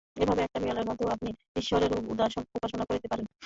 এভাবে একটা বিড়ালের মধ্যেও আপনি ঈশ্বরের উপাসনা করিতে পারেন।